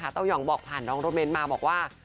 เต้ายองบอกผ่านน้องรถเน้นมาบอกว่า